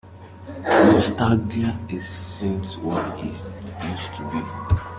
Nostalgia isn't what it used to be.